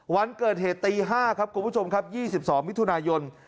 วันเกิดเหตุตี๕ครับคุณผู้ชมครับ๒๒มิถุนายน